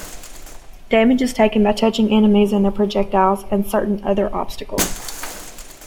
Damage is taken by touching enemies and their projectiles and certain other obstacles.